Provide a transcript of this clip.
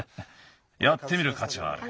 やってみるかちはある。